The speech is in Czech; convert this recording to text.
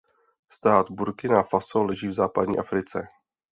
Stát Burkina Faso leží v Západní Africe.